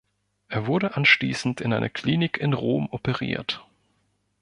Er wurde anschließend in einer Klinik in Rom operiert.